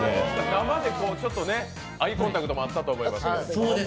生で、アイコンタクトもあったと思いますけど。